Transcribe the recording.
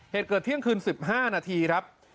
เหตุเกิดเที่ยงคืน๑๕นาทีครับ